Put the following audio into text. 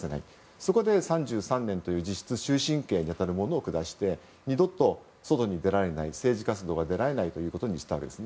そこで３３年という実質終身刑になるものを下して二度と外に出られず、政治活動ができないようにしたんですね。